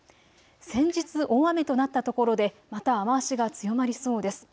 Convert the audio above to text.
先日、大雨となったところでまた雨足が強まりそうです。